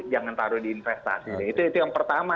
jangan taruh di investasi itu yang pertama